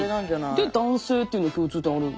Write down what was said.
で男性っていうの共通点ある。